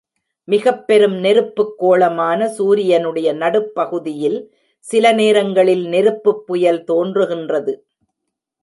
மிகப் பெரும் நெருப்புக் கோளமான சூரியனுடைய நடுப் பகுதியில், சில நேரங்களில் நெருப்புப்புயல் தோன்றுகின்றது.